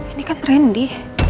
ini kan trendy